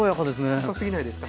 酸っぱすぎないですか？